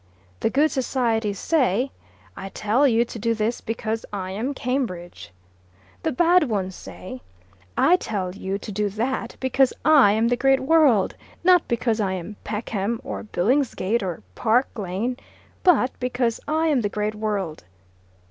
The good societies say, `I tell you to do this because I am Cambridge.' The bad ones say, `I tell you to do that because I am the great world, not because I am 'Peckham,' or `Billingsgate,' or `Park Lane,' but `because I am the great world.